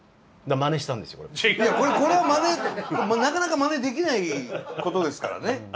これはまねなかなかまねできないことですからね。